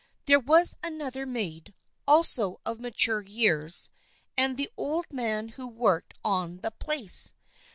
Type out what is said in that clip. There was another maid, also of mature years, and the old man who worked on the place.